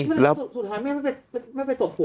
สุดท้ายเมียไม่ไปตบผัว